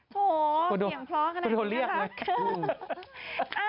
โถโฮเสียงพล้อมขนาดนี้นะครับ